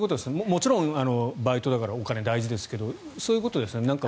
もちろんバイトだからお金が大事だけどそういうことですよね。